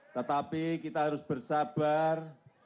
tetapi kita harus bersabar